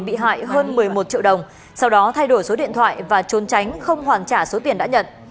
bị hại hơn một mươi một triệu đồng sau đó thay đổi số điện thoại và trốn tránh không hoàn trả số tiền đã nhận